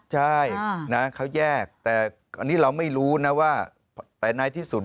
ใช่นะเขาแยกแต่อันนี้เราไม่รู้นะว่าแต่ในที่สุด